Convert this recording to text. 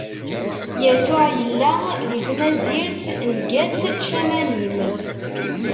Yasuɛ yella di tmazirt n Gat-Camanim.